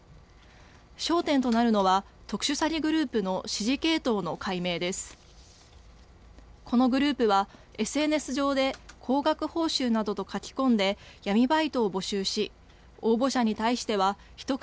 焦点となるのは特殊詐欺グループの指示系統の解明です。